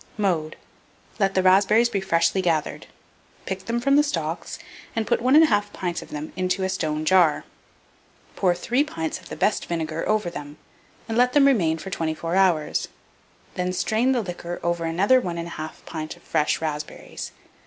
Mode. Let the raspberries be freshly gathered; pick them from the stalks, and put 1 1/2 pint of them into a stone jar; pour 3 pints of the best vinegar over them, and let them remain for 24 hours; then strain the liquor over another 1 1/2 pint of fresh raspberries.